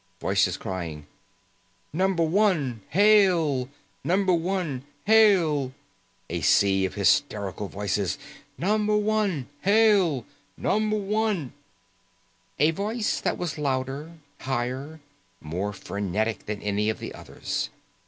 Voices crying, "Number One, hail! Number One, hail!" A sea of hysterical voices. "Number One, hail! Number One " A voice that was louder, higher, more frenetic than any of the others.